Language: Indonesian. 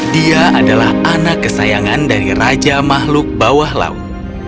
dia adalah anak kesayangan dari raja makhluk bawah laut